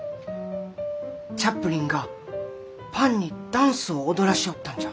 チャップリンがパンにダンスを踊らしょうったんじゃ。